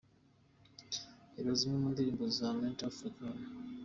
Reba zimwe mu ndirimbo za Mentor Africa hano .